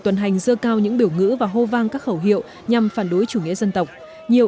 tuần hành dơ cao những biểu ngữ và hô vang các khẩu hiệu nhằm phản đối chủ nghĩa dân tộc nhiều